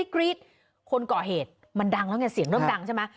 กรี๊ดคนก่อเหตุมันดังแล้วไงเสียงเริ่มดังใช่ไหม